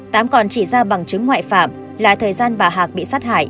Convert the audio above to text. tám còn chỉ ra bằng chứng ngoại phạm là thời gian bà hạc bị sát hại